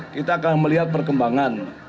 kita akan melihat perkembangan